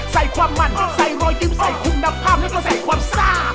ใส่ความมันใส่รอยยิ้มใส่คุณภาพแล้วก็ใส่ความซ่า